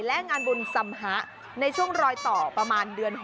และงานบุญสัมฮะในช่วงรอยต่อประมาณเดือน๖